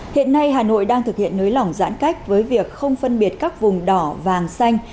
hiện nay hà nội đang thực hiện nới lỏng giãn cách với việc không phân biệt các vùng đỏ vàng xanh